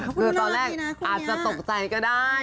ขอบคุณตัวแรกอาจจะตกใจก็ได้